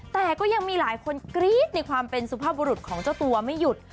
แต่ก็ยังมีหลายคนกรี๊ดในความเป็นสุภาพบุรุษของเจ้าตัวไม่หยุด